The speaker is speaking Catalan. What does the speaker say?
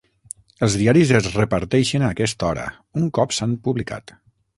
Els diaris es reparteixen a aquesta hora un cop s'han publicat.